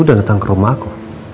dan datang ke rumahku